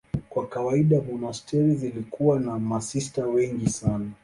Kwa kawaida monasteri zilikuwa na masista wengi sana.